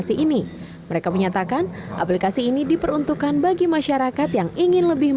jadi sebagian mungkin yang sudah katakanlah tidak mesti hanya masyarakat yang belum tahu saham